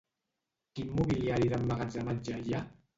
Quin mobiliari d'emmagatzematge hi ha?